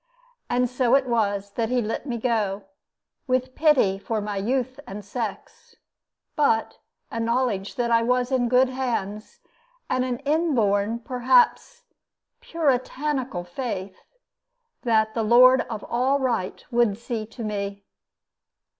And so it was that he let me go, with pity for my youth and sex, but a knowledge that I was in good hands, and an inborn, perhaps "Puritanical" faith, that the Lord of all right would see to me.